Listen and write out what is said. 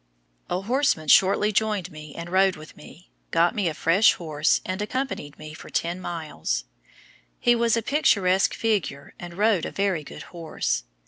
A horseman shortly joined me and rode with me, got me a fresh horse, and accompanied me for ten miles. He was a picturesque figure and rode a very good horse.